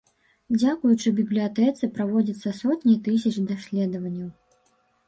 Дзякуючы бібліятэцы праводзяцца сотні тысяч даследаванняў.